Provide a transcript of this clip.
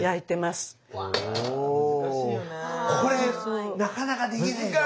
これなかなかできないでしょ。